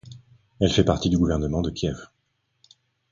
Elle fait partie du gouvernement de Kiev.